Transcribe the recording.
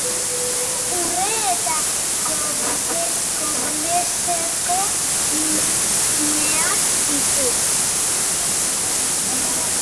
Urre eta kobrezko meak ditu.